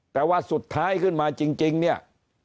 แต่ว่าสุดท้ายขึ้นมาจริงเนี่ย